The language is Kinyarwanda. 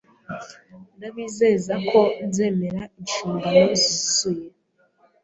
Ndabizeza ko nzemera inshingano zuzuye